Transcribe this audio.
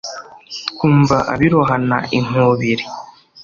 Twumva abirohana inkubiri